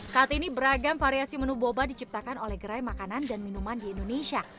saat ini beragam variasi menu boba diciptakan oleh gerai makanan dan minuman di indonesia